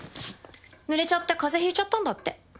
ぬれちゃって風邪ひいちゃったんだって。